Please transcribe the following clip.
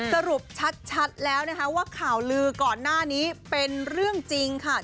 สรุปชัดแล้วนะคะว่าข่าวลือก่อนหน้านี้เป็นเรื่องจริงค่ะ